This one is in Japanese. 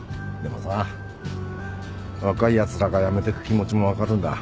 もさ若いやつらが辞めてく気持ちも分かるんだ